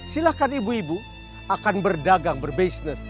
silahkan ibu ibu akan berdagang berbisnis